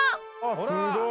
すごい。